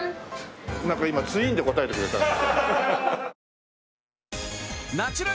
なんか今ツインで答えてくれたね。